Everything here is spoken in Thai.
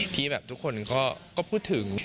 พี่แบบทุกคนก็พูดถึง